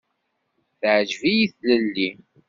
Teɛǧeb-iyi tlelli.